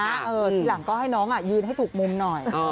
ทีหลังก็ให้น้องยืนให้ถูกมุมหน่อย